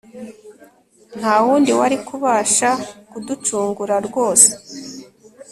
Nta wundi wari kubasha kuducungura rwose